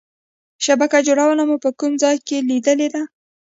شبکه جوړونه مو په کوم ځای کې لیدلې ده؟